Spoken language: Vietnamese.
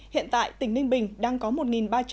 hiện tại tỉnh ninh bình đang có một ba trăm năm mươi trường